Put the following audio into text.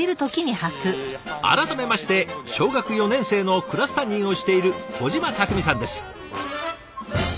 改めまして小学４年生のクラス担任をしている小島拓海さんです。